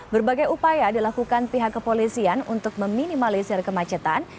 berbagai upaya dilakukan pihak kepolisian untuk meminimalisir kemacetan